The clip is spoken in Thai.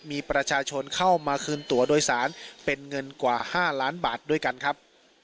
มีประชาชนเข้ามาคืนตัวโดยสารเป็นเงินกว่า๕ล้านบาทด้วยกันครับ